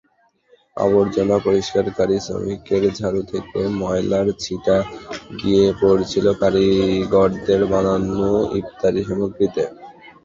আবর্জনা পরিষ্কারকারী শ্রমিকের ঝাড়ু থেকে ময়লার ছিটা গিয়ে পড়ছিল কারিগরদের বানানো ইফতারসামগ্রীতে।